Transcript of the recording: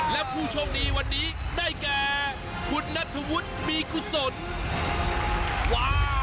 และผู้โชคดีวันนี้ได้แก่คุณณฑะมีคุณส่วน